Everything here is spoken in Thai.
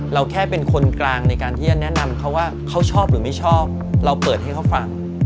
เราแค่เป็นคนกลางในการที่จะแนะนำเขาว่าเขาชอบหรือไม่ชอบเราเปิดให้เขาฟัง